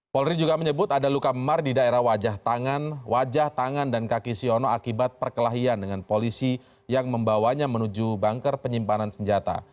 polri juga menyebut ada luka memar di daerah wajah tangan wajah tangan dan kaki siono akibat perkelahian dengan polisi yang membawanya menuju banker penyimpanan senjata